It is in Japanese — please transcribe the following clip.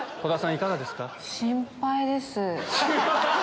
いかがですか？